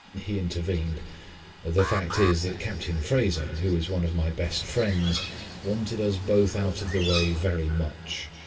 He intervened. "The fact is that Captain Fraser, who is one of my best friends, wanted us both out of the way very much.